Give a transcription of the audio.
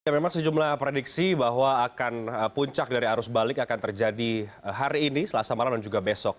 memang sejumlah prediksi bahwa akan puncak dari arus balik akan terjadi hari ini selasa malam dan juga besok